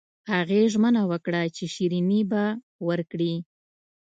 هغې ژمنه وکړه چې شیریني به ورکړي